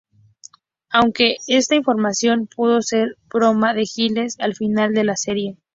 Aunque esta información pudo ser una broma de Giles al final de la serie.